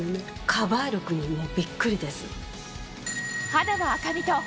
カバー力にびっくりです。